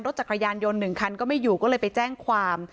จักรยานยนต์๑คันก็ไม่อยู่ก็เลยไปแจ้งความ